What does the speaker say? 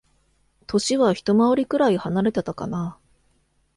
歳はひと回りくらい離れてたかな。